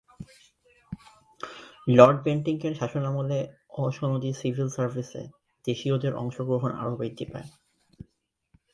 Lord বেন্টিঙ্কের শাসনামলে অ-সনদী সিভিল সার্ভিসে দেশিয়দের অংশগ্রহণ আরও বৃদ্ধি পায়।